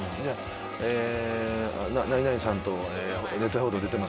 「え何々さんと」。